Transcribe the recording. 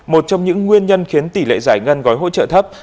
một trong những nguyên nhân khiến tỷ lệ giải ngân gói hỗ trợ thấp